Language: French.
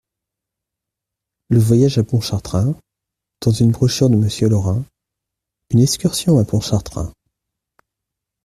Le Voyage à Pontchartrain, dans une brochure de Monsieur Lorin : UNE EXCURSION A PONTCHARTRAIN.